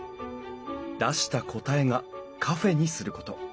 出した答えがカフェにすること。